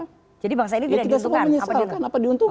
kita semua menyesalkan